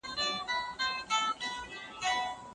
ټولنیز نهادونه د ټولنیزو اړیکو د تنظیم برخه دي.